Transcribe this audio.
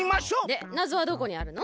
でなぞはどこにあるの？